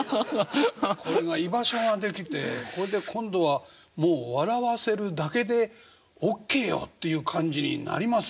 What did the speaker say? これが居場所ができてほいで今度はもう笑わせるだけでオッケーよっていう感じになりますよ。